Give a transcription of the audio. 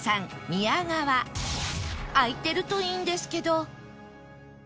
開いてるといいんですけど